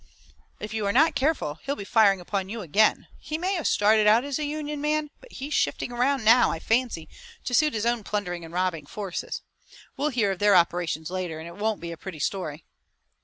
"If you are not careful he'll be firing upon you again. He may have started out as a Union man, but he's shifting around now, I fancy, to suit his own plundering and robbing forces. We'll hear of their operations later, and it won't be a pretty story."